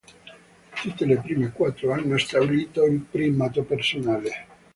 Tutte le prime quattro hanno stabilito il primato personale.